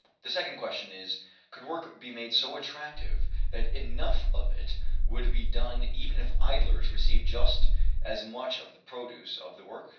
The second question is: Could work be made so attractive that enough of it would be done even if idlers received just as much of the produce of work?